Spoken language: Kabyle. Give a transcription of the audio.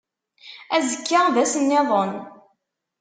Azekka d ass nniḍen.